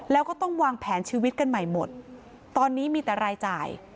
แล้วก็ต้องวางแผนชีวิตกันใหม่หมดตอนนี้มีแต่รายจ่าย